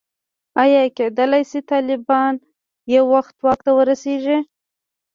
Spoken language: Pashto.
ایا کېدلای شي طالبان یو وخت واک ته ورسېږي.